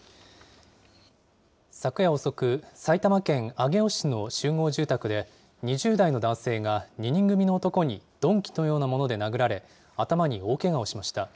昨夜遅く、埼玉県上尾市の集合住宅で、２０代の男性が２人組の男に鈍器のようなもので殴られ、頭に大けがをしました。